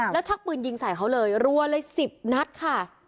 แล้วชักปืนยิงใส่เขาเลยรัวเลย๑๐นัดค่ะ